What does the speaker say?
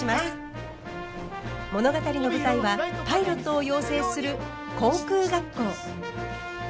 物語の舞台はパイロットを養成する航空学校。